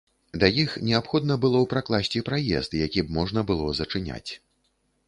Да іх неабходна было пракласці праезд, які б можна было зачыняць.